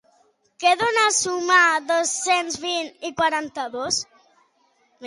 Què dona sumar dos-cents vint i quaranta-dos?